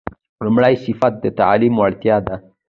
لومړی صفت د تعمیم وړتیا ده.